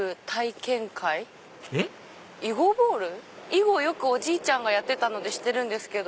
囲碁はよくおじいちゃんがやってたので知ってるんですけど。